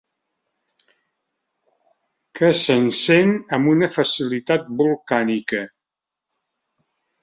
Que s'encén amb una facilitat volcànica.